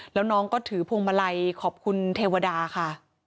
แล้วน้องก็ถือพวงมาลัยขอบคุณเทวดาค่ะ